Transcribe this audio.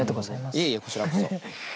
いえいえこちらこそ。